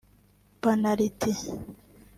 panaliti